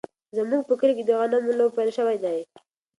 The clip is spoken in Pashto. زموږ په کلي کې د غنمو لو پیل شوی دی.